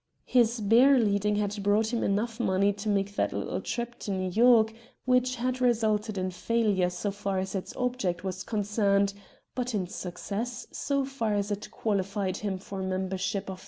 His bear leading had brought him enough money to make that little trip to New York which had resulted in failure so far as its object was concerned, but in success so far as it qualified him for membership of the Voyagers.